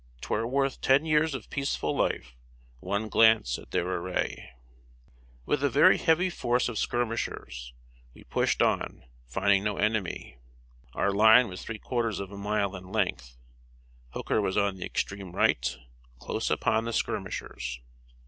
"'Twere worth ten years of peaceful life, One glance at their array." With a very heavy force of skirmishers, we pushed on, finding no enemy. Our line was three quarters of a mile in length. Hooker was on the extreme right, close upon the skirmishers.